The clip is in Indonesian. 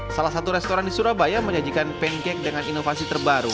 salah satu restoran di surabaya menyajikan pancake dengan inovasi terbaru